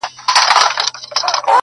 ستا ټولي كيسې لوستې.